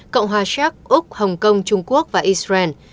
cộng hòa séc úc hồng kông trung quốc và israel